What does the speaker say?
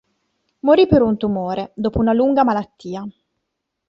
Morì per un tumore, dopo una lunga malattia.